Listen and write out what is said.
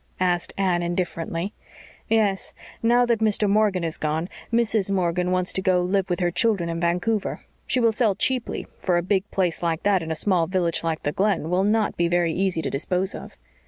asked Anne indifferently. "Yes. Now that Mr. Morgan has gone, Mrs. Morgan wants to go to live with her children in Vancouver. She will sell cheaply, for a big place like that in a small village like the Glen will not be very easy to dispose of."